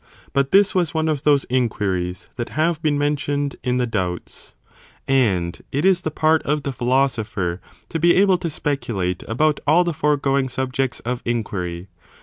But this was one of those inquiries that have been mentioned in the doubts. And it is the part of the philosopher to be ^ The fore able to speculate about all the foregoing sub going subjects, jects of inquiry.